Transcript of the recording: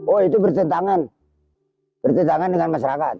oh itu bertentangan bertentangan dengan masyarakat